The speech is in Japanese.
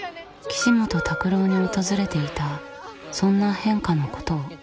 岸本拓朗に訪れていたそんな変化のことを。